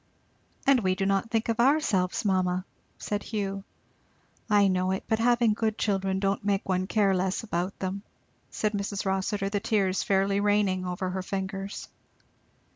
"And we do not think of ourselves, mamma," said Hugh. "I know it but having good children don't make one care less about them," said Mrs. Rossitur, the tears fairly raining over her fingers.